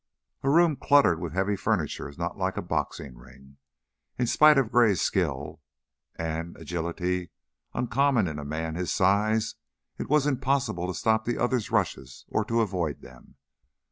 A room cluttered with heavy furniture is not like a boxing ring. In spite of Gray's skill and an agility uncommon in a man of his size, it was impossible to stop the other's rushes or to avoid them.